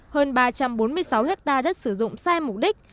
hơn ba trăm bốn mươi sáu hectare đất sử dụng sai mục đích